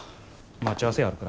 待ち合わせあるから。